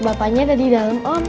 bapaknya ada di dalam om